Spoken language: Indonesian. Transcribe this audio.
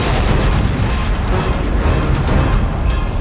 gak ada yang beruntung